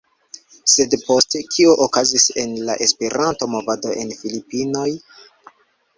Sed poste, kio okazis en la Esperanto-Movado en Filipinoj?